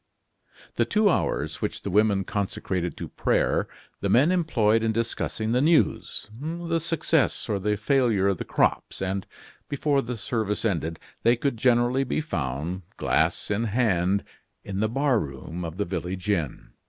The two hours which the women consecrated to prayer the men employed in discussing the news, the success or the failure of the crops; and, before the service ended, they could generally be found, glass in hand, in the bar room of the village inn.